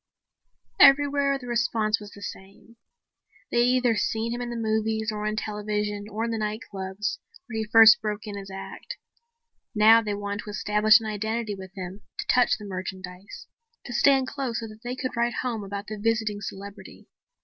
Everywhere the response was the same. They had either seen him in the movies or on television or in the nightclubs, where he first broke in his act. Now they wanted to establish an identity with him, to touch the merchandise, to stand close so that they could write home about the visiting celebrity.